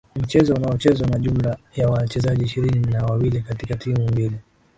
ni mchezo unaochezwa na jumla ya wachezaji ishirini na wawili katika timu mbili